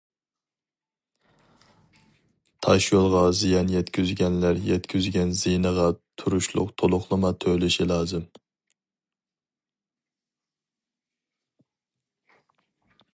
تاشيولغا زىيان يەتكۈزگەنلەر يەتكۈزگەن زىيىنىغا تۇرۇشلۇق تولۇقلىما تۆلىشى لازىم.